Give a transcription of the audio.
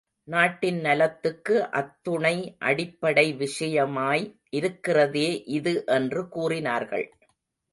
நாட்டின் நலத்துக்கு அத்துணை அடிப்படை விஷயமாய் இருக்கிறதே இது என்று கூறினார்கள்.